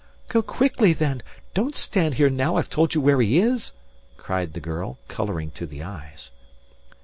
"Go quickly then. Don't stand here now I've told you where he is," cried the girl, colouring to the eyes.